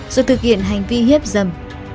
rồi thực hiện hành vi hiếp dâm